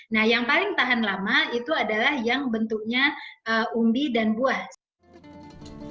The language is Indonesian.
nah yang paling tahan lama itu adalah yang bentuknya umbi dan buah